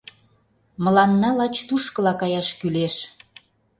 Мыланна лач тушкыла каяш кӱлеш.